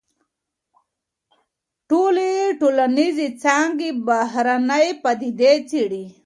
ټولي ټولنيزي څانګي بهرنۍ پديدې څېړي.